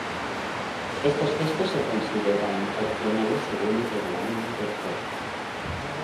Estos gestos se consideran opcionales según el reglamento del juego.